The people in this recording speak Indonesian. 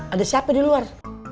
ada siapa di luar